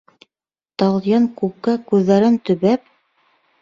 Талйән күккә күҙҙәрен төбәп: